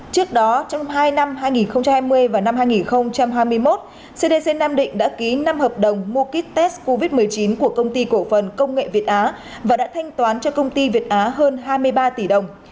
trước đó trong hai năm hai nghìn hai mươi và năm hai nghìn hai mươi một cdc nam định đã ký năm hợp đồng mua kích tết covid một mươi chín của công ty cổ phần công nghệ việt á và đã thanh toán cho công ty việt á hơn hai mươi ba tỷ đồng